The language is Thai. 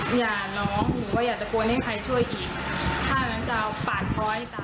หรือว่าอยากจะโกนให้ใครช่วยอีกถ้านั้นจะเอาปากเพราะให้ตาม